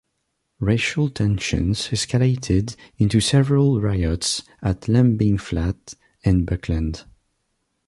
Racial tensions escalated into several riots at Lambing Flat and Buckland.